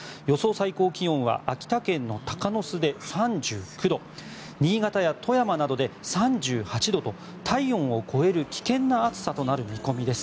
最高気温は秋田県の鷹巣で３９度新潟や富山などで３８度と体温を超える危険な暑さとなる見込みです。